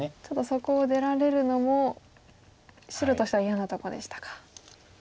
ちょっとそこを出られるのも白としては嫌なとこでしたか。